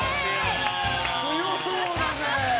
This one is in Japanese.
強そうだぜ！